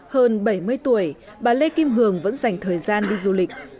hơn bảy mươi tuổi bà lê kim hường vẫn dành thời gian đi du lịch